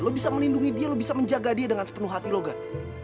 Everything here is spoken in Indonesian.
lo bisa melindungi dia lo bisa menjaga dia dengan sepenuh hati logat